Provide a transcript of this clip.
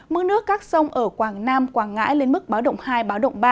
mức nước các sông ở quảng nam quảng ngãi lên mức báo động hai báo động ba